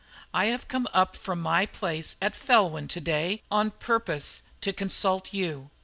"I have come up from my place at Felwyn to day on purpose to consult you.